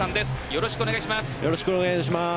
よろしくお願いします。